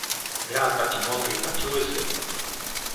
"Ja, taki mądry, taki łysy!..."